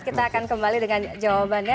kita akan kembali dengan jawabannya